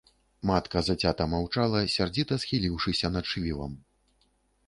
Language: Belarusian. Матка зацята маўчала, сярдзіта схіліўшыся над швівам.